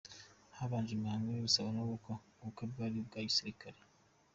Habanje imihango yo gusaba no gukwaUbu bukwe bwari ubwa gisirikare